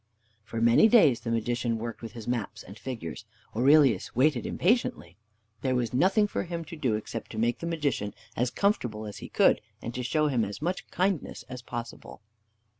For many days the Magician worked with his maps and figures. Aurelius waited impatiently. There was nothing for him to do except to make the Magician as comfortable as he could, and to show him as much kindness as possible.